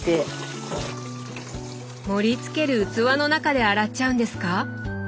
盛り付ける器の中で洗っちゃうんですか